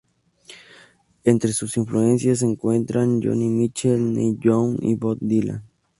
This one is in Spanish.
Entre sus influencias se encuentran Joni Mitchell, Neil Young y Bob Dylan.